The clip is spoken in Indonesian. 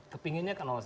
kepinginnya ke satu